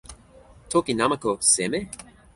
toki namako seme?